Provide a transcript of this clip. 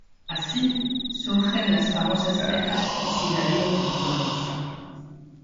Así, surgen las famosas "tejas y cigarrillos de Tolosa".